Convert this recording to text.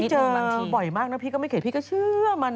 พี่เจอบ่อยมากนะพี่ก็ไม่เข็นพี่ก็เชื่อมัน